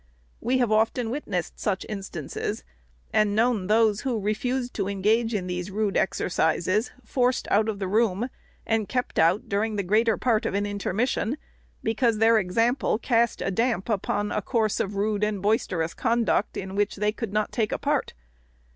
We have often witnessed such instances, and known those who refused to engage in these rude exercises forced out of the room, and kept out during the greater part of an intermission, because their example cast a damp upon a course of rude and boisterous conduct, in which they could not take a part.